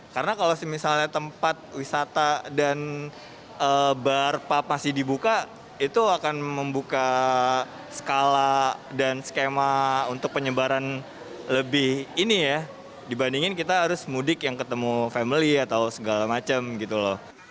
karena kalau misalnya tempat wisata dan bar pub masih dibuka itu akan membuka skala dan skema untuk penyebaran lebih ini ya dibandingin kita harus mudik yang ketemu family atau segala macam gitu loh